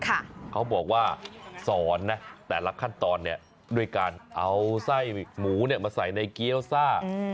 เขาบอกว่าสอนนะแต่ละขั้นตอนเนี่ยด้วยการเอาไส้หมูเนี่ยมาใส่ในเกี้ยวซ่า